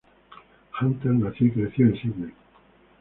Hunter nació y creció en Sídney.